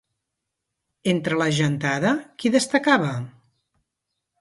Entre la gentada, qui destacava?